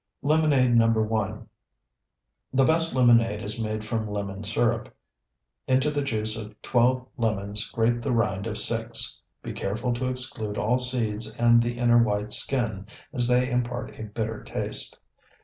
LEMONADE NO. 1 The best lemonade is made from lemon syrup. Into the juice of twelve lemons grate the rind of six. Be careful to exclude all seeds and the inner white skin, as they impart a bitter taste.